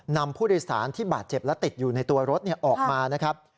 นำผู้โดยสารที่บาดเจ็บและติดอยู่ในตัวรถออกมานะครับ